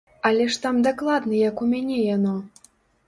Але ж там дакладна як у мяне яно!